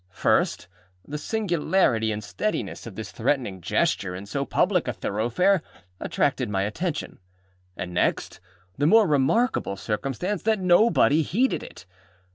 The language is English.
First, the singularity and steadiness of this threatening gesture in so public a thoroughfare attracted my attention; and next, the more remarkable circumstance that nobody heeded it.